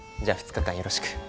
じゃあ２日間よろしく。